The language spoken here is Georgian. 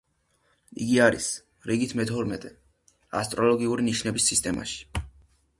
იგი არის რიგით მეთორმეტე ასტროლოგიური ნიშნების სისტემაში.